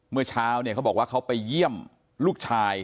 เมื่อเช้าเนี่ยเขาบอกว่าเขาไปเยี่ยมลูกชาย